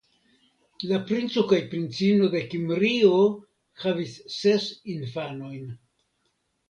La princo kaj princino de Kimrio havis ses infanojn.